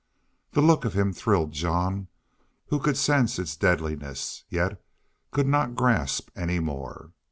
The look of him thrilled Jean, who could sense its deadliness, yet could not grasp any more.